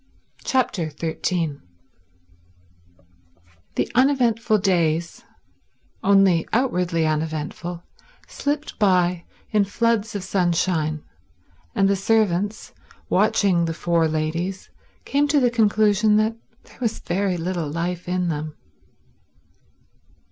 Chapter 13 The uneventful days—only outwardly uneventful—slipped by in floods of sunshine, and the servants, watching the four ladies, came to the conclusion there was very little life in them.